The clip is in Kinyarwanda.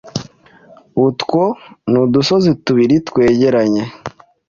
utwo Nudusozi tubiri twegeranye